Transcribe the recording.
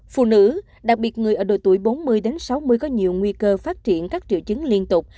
phụ nữ đặc biệt người ở đội tuổi bốn mươi sáu mươi có nhiều nguy cơ phát triển các triệu chứng liên tục